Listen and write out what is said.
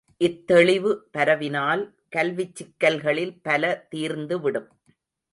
இத்தெளிவு பரவினால் கல்விச் சிக்கல்களில் பல தீர்ந்துவிடும்.